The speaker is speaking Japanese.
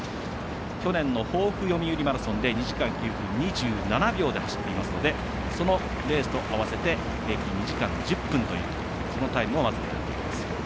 去年の防府読売マラソンで２時間９分２７秒で走っていますのでそのレースと合わせて平均２時間１０分というタイムを狙っていきます。